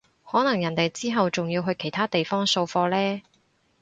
可能人哋之後仲要去其他地方掃貨呢